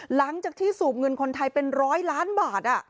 หลังจากที่สูบเงินคนไทยเป็นร้อยล้านบาท